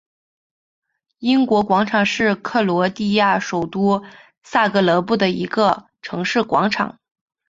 英国广场是克罗地亚首都萨格勒布的一个城市广场。